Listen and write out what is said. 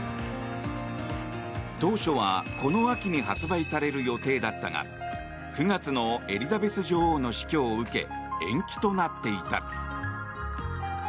当初は、この秋に発売される予定だったが９月のエリザベス女王の死去を受け延期となっていた。